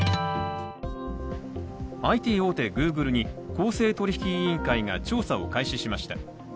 ＩＴ大手・Ｇｏｏｇｌｅに公正取引委員会が調査を開始しました。